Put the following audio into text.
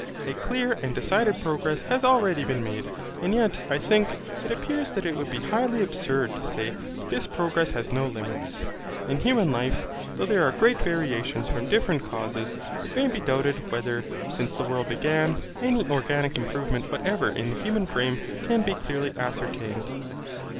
A clear and decided progress has already been made, and yet, I think, it appears that it would be highly absurd to say that this progress has no limits. In human life, though there are great variations from different causes, it may be doubted whether, since the world began, any organic improvement whatever in the human frame can be clearly ascertained.